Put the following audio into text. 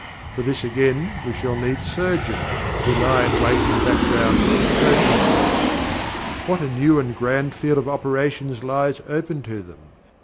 For this again we shall need surgeons, who lie in wait in the background with the throat improvers. What a new and grand field of operations lies open to them!